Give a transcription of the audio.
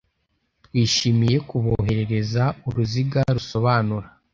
Twishimiye kuboherereza uruziga rusobanura